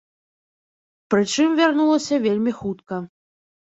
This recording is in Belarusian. Прычым вярнулася вельмі хутка.